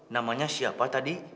namanya siapa tadi